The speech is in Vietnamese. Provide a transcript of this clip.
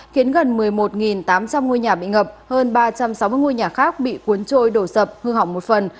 khiến gần một mươi một tám trăm linh ngôi nhà bị ngập hơn ba trăm sáu mươi ngôi nhà khác bị cuốn trôi đổ sập hư hỏng một phần